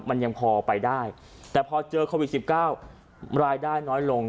มันยังพอไปได้แต่พอเจอโควิด๑๙รายได้น้อยลง